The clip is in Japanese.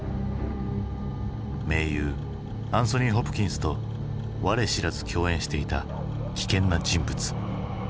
名優アンソニー・ホプキンスと我知らず共演していた危険な人物。